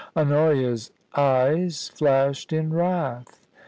* Honoria's eyes flashed in wrath.